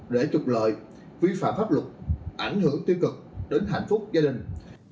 để trục lợi vi phạm pháp luật ảnh hưởng tiêu cực đến hạnh phúc gia đình